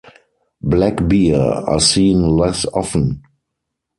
Black bear are seen less often.